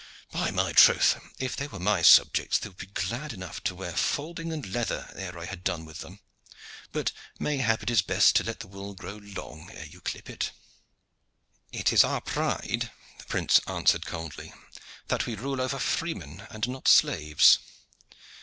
By my troth! if they were my subjects they would be glad enough to wear falding and leather ere I had done with them. But mayhap it is best to let the wool grow long ere you clip it." "It is our pride," the prince answered coldly, "that we rule over freemen and not slaves."